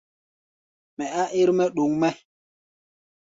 Mɛ á ɛ́r-mɛ́ ɗoŋ mɛ́.